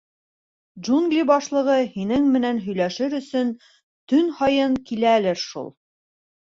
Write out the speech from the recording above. Джунгли башлығы һинең менән һөйләшер өсөн төн һайын киләлер шул.